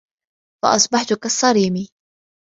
فَأَصبَحَت كَالصَّريمِ